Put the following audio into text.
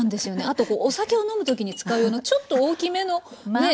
あとお酒を飲む時に使う用のちょっと大きめのね。